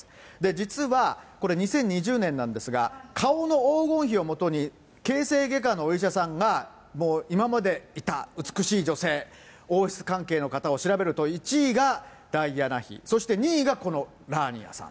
実は、これ２０２０年なんですが、顔の黄金比をもとに、形成外科のお医者さんが、今までいた美しい女性、王室関係の方を調べると、１位がダイアナ妃、そして２位がこのラーニアさん。